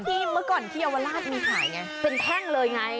เมื่อก่อนที่เยาวราชมีขายไงเป็นแท่งเลยไง